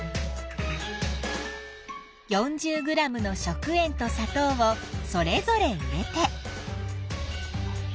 ４０ｇの食塩とさとうをそれぞれ入れて。